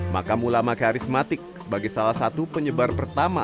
makam ulama karismatik sebagai salah satu penyebar pertama